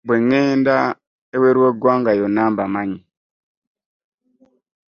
Bwe ŋŋenda ebweru w'eggwanga yonna bammanyi.